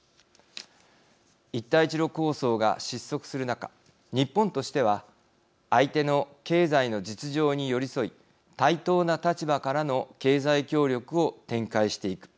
一帯一路構想が失速する中日本としては相手の経済の実情に寄り添い対等な立場からの経済協力を展開していく。